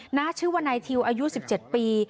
หน้าชื่อว่านายทิวอายุ๑๗ปี